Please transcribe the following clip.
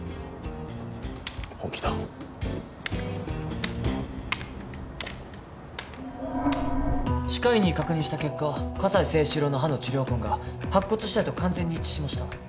本気だ歯科医に確認した結果葛西征四郎の歯の治療痕が白骨死体と完全に一致しました